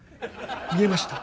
見えました。